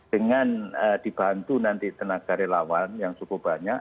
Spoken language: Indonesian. dengan dibantu nanti tenaga relawan yang cukup banyak